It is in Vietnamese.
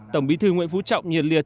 tổng bí thư nguyễn phú trọng nhiệt liệt